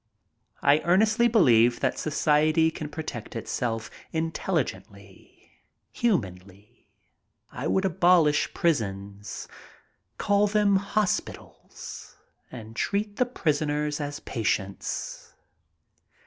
I earnestly believe that society can protect itself intelligently, humanly. I would abolish prisons. Call them hospitals and treat the prisoners as patients.